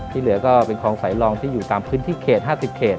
เหลือก็เป็นคลองสายรองที่อยู่ตามพื้นที่เขต๕๐เขต